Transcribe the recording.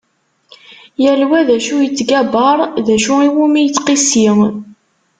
Yal wa d acu yettgabar, d acu iwumi yettqissi.